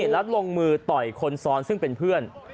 แล้วลงมือต่อยคนซ้อนซึ่งเป็นเพื่อน